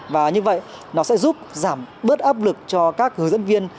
và như vậy nó sẽ giúp giảm bớt áp lực cho các hướng dẫn viên